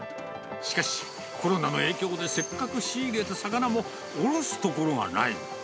しかし、コロナの影響でせっかく仕入れた魚も、卸すところがない。